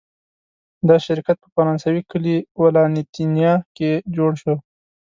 دا شرکت په فرانسوي کلي ولانتینیه کې جوړ شو.